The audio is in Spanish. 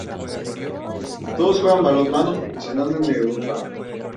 Todos juegan balonmano profesional en Europa.